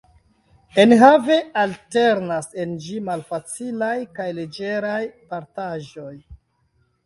Enhave, alternas en ĝi malfacilaj kaj leĝeraj partaĵoj.